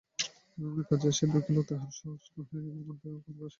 কাছে আসিয়া দেখিল, তাহা সহজ নহে–মনের মধ্যে করুণার বেদনা আসিল কই।